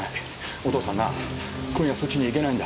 お父さんな今夜そっちに行けないんだ。